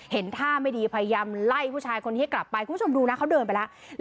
เห็นท่าไม่ดีพยายามไล่ผู้ชายคนนี้กลับไปคุณผู้ชมดูนะเขาเดินไปแล้ว